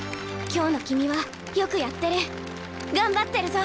今日の君はよくやってる。頑張ってるぞ！